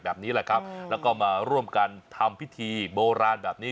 แบบนี้แหละครับแล้วก็มาร่วมกันทำพิธีโบราณแบบนี้